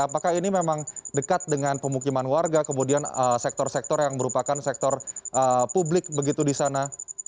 apakah ini memang dekat dengan pemukiman warga kemudian sektor sektor yang merupakan sektor publik begitu di sana